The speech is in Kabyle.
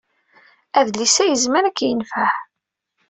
Adlis-a yezmer ad k-yenfeɛ?